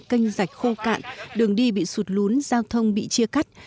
kênh rạch khô cạn đường đi bị sụt lún giao thông bị chia cắt